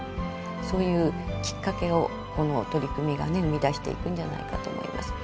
そういうきっかけをこの取り組みがね生み出していくんじゃないかと思います。